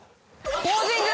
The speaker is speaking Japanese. ポージング？